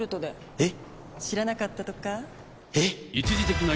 えっ？